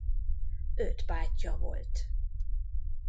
Öt bátyja volt.